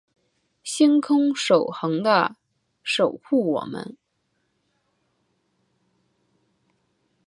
星空永恒的守护我们